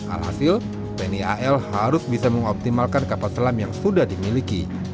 alhasil tni al harus bisa mengoptimalkan kapal selam yang sudah dimiliki